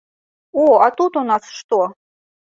О, а тут у нас што?